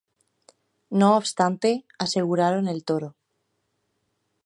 No obstante, aseguraron el toro.